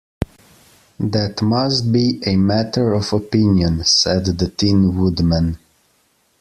"That must be a matter of opinion," said the Tin Woodman.